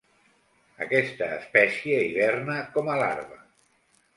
Aquesta espècie hiverna com a larva.